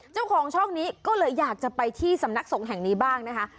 เจ้าของช่องนี้ก็เลยอยากจะไปที่สำนักสงฆ์แห่งนี้บ้างนะคะ